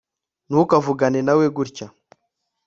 ntukavugane nawe gutya